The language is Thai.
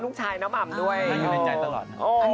ลูกชายน้ำอ่ำงด้วยด๊วยอยู่ในใจตลอด